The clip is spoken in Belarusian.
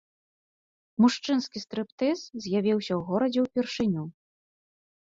Мужчынскі стрыптыз з'явіўся ў горадзе ўпершыню.